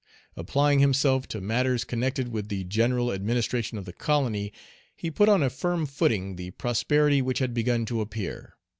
Applying himself to matters connected with the general administration of the colony, he put on a firm footing the prosperity which had begun to appear.